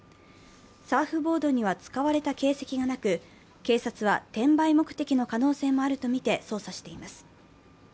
サーフボードには使われた形跡がなく、警察は転売目的の可能性もあるとみて捜査しています。